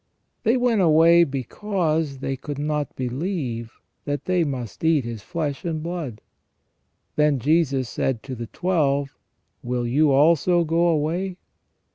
They went away because they could not believe that they must eat His flesh and blood. " Then Jesus said to the Twelve : Will you also go away